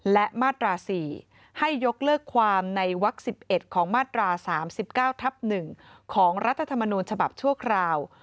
และมาตรา๔ให้ยกเลิกความในวัก๑๑ของมาตรา๓๙ทับ๑ของรัฐธรรมนูญฉบับชั่วคราว